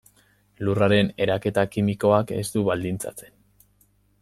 Lurraren eraketa kimikoak ez du baldintzatzen.